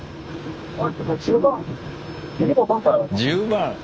１０万！